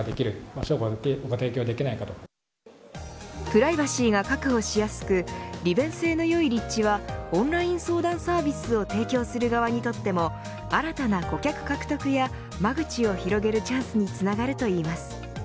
プライバシーが確保しやすく利便性のよい立地はオンライン相談サービスを提供する側にとっても新たな顧客獲得や間口を広げるチャンスにつながるといいます。